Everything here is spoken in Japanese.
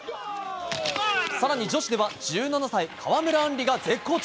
更に女子では１７歳、川村あんりが絶好調。